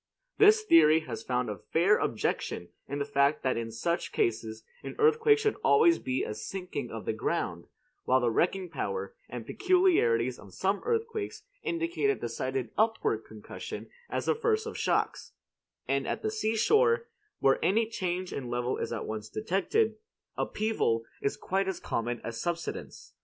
This theory has found a fair objection in the fact that in such cases an earthquake should always be a sinking of the ground: while the wrecking power and peculiarities of some earthquakes indicate a decided upward concussion as the first of shocks; and at the seashore, where any change in level is at once detected, upheaval is quite as common as subsidence.